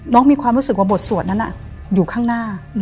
มีความรู้สึกว่าบทสวดนั้นอยู่ข้างหน้า